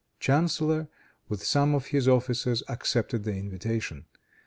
Chanceller, with some of his officers, accepted the invitation.